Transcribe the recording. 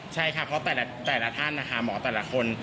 ใช่ค่ะเพราะแต่ละท่านนะคะหมอแต่ละคน